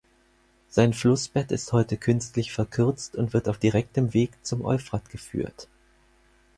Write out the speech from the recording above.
Sein Flussbett ist heute künstlich verkürzt und wird auf direktem Weg zum Euphrat geführt.